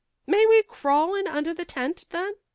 "May we crawl in under the tent, then?"